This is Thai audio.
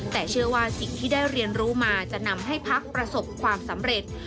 แต่เชื่อว่าสิ่งที่ได้เรียนรู้มาจะนำให้พักประสบความสำเร็จ